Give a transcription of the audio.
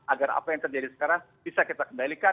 agar apa yang terjadi sekarang bisa kita kendalikan